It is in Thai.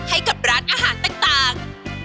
ให้กับร้านอาหารต่าง